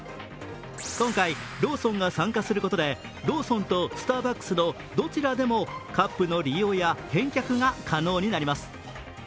今回、ローソンが参加することでローソンとスターバックスのどちらでもカップの利用や返却が可能になります。